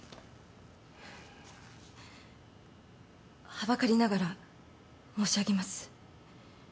はばかりながら申し上げます。